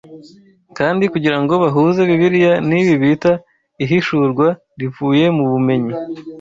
kandi kugira ngo bahuze Bibiliya n’ibi bita ihishurwa rivuye mu bumenyi